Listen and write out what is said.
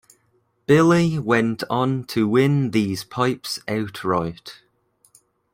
Billy went on to win these pipes outright.